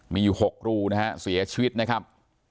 มีอยู่๖รูนะฮะเสียชีวิตนะครับ